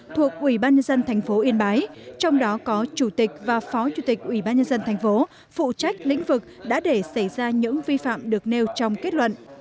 thuộc ủy ban nhân dân tp yên bái trong đó có chủ tịch và phó chủ tịch ủy ban nhân dân thành phố phụ trách lĩnh vực đã để xảy ra những vi phạm được nêu trong kết luận